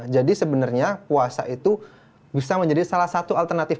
jadi sebenarnya puasa itu bisa menjadi salah satu alternatif